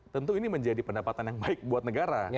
tentu ini menjadi pendapatan yang baik buat negara